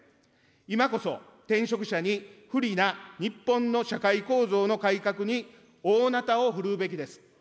今こそ転職者に不利な日本の社会構造の改革に大なたを振るうべきです。